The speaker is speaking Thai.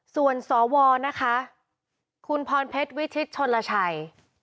ส่วนสวนะคะคุณพรเพชรวิชิตชนลชัย